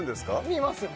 見ますよ